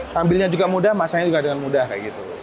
tampilnya juga mudah masanya juga dengan mudah kayak gitu